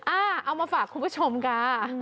โอเคเอามาฝากคุณผู้ชมก็